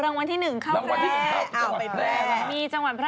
รางวัลที่๑ที่๒เข้าแพร่